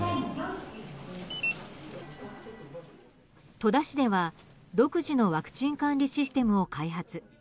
戸田市では独自のワクチン管理システムを開発。